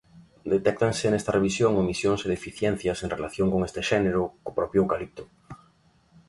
Detéctanse nesta revisión omisións e deficiencias en relación con este xénero, co propio eucalipto.